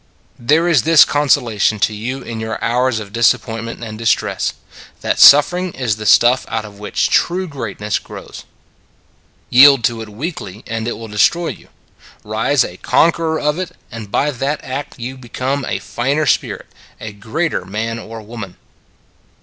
There is this consolation to you in your hours of disappointment and distress that suffering is the stuff out of which true greatness grows. Yield to it weakly, and it will destroy you. Rise a conqueror of it, and by that act you become a finer spirit, a greater man or woman.